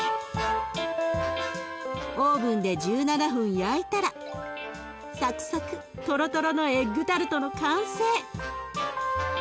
オーブンで１７分焼いたらサクサクとろとろのエッグタルトの完成。